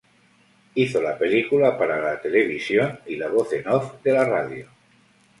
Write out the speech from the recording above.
Hizo la película para la televisión y la voz en off de la radio.